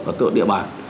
và cơ quan địa bàn